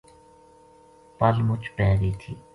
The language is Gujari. پَل مُچ پے گئی تھی